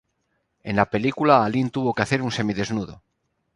En la película Alin tuvo que hacer un semidesnudo.